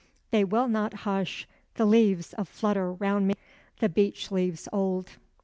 They will not hush, the leaves a flutter round me, the beech leaves old.